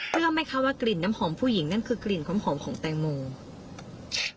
เกี่ยวด้วยคะว่ากลิ่นน้ำหอมผู้หญิงนั่นคือกลิ่นน้ำหอมของตรงคนนี้